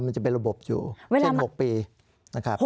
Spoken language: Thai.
มันจะเป็นระบบอยู่เช่น๖ปีนะครับ